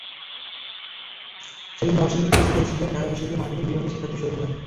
সেদিন নরসিংদী থেকে ছুটে এসেছিলেন ঢাকা বিশ্ববিদ্যালয়ের মার্কেটিং বিভাগের শিক্ষাথী সোহেল ইমরান।